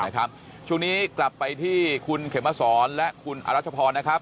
ช่วงนี้กลับไปที่คุณเขมสอนและคุณอรัชพรนะครับ